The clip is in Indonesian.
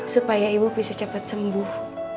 supaya ibu bisa cepat sembuh